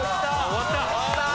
終わった！